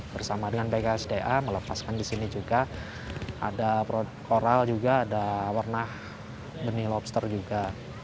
bersama dengan bksda melepaskan di sini juga ada koral juga ada warna benih lobster juga